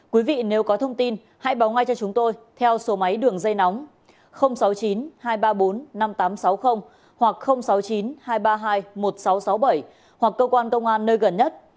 quý vị nếu có thông tin hãy báo ngay cho chúng tôi theo số máy đường dây nóng sáu mươi chín hai trăm ba mươi bốn năm nghìn tám trăm sáu mươi hoặc sáu mươi chín hai trăm ba mươi hai một nghìn sáu trăm sáu mươi bảy hoặc cơ quan công an nơi gần nhất